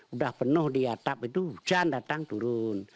udah penuh di atap itu hujan datang turun